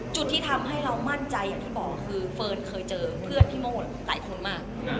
ที่ทำให้เรามั่นใจอย่างที่บอกคือเฟิร์นเคยเจอเพื่อนพี่โมดหลายคนมาก